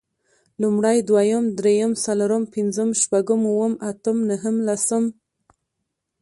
لومړی، دويم، درېيم، څلورم، پنځم، شپږم، اووم، اتم، نهم، لسم